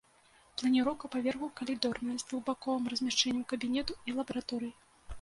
Планіроўка паверхаў калідорная, з двухбаковым размяшчэннем кабінетаў і лабараторый.